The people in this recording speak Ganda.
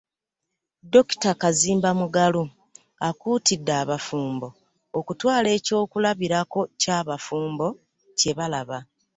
Dokita Kazimba Mugalu akuutidde abafumbo okutwala eky'okulabirako ky'abafumbo kye balaba